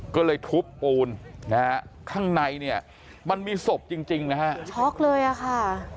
ก็เลยทุบปูนนะฮะข้างในเนี่ยมันมีศพจริงจริงนะฮะช็อกเลยอะค่ะ